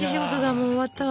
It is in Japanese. もう終わったわ。